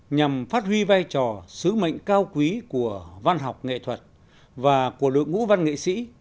nhằm phát huy vai trò sứ mệnh cao quý của văn học nghệ thuật và của đội ngũ văn nghệ sĩ